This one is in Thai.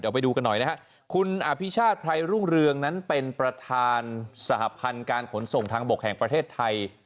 ไปดูกันหน่อยนะฮะคุณอภิชาติไพรรุ่งเรืองนั้นเป็นประธานสหพันธ์การขนส่งทางบกแห่งประเทศไทย